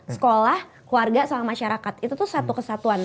sekolah keluarga sama masyarakat itu tuh satu kesatuan